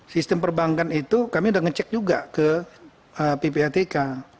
sistem perbankan itu kami sudah ngecek juga ke ppatk